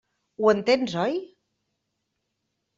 Ho entens, oi?